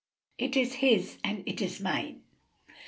It is his and it is mine."